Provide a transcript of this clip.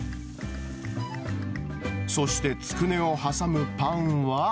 そしてつくねを挟むパンは。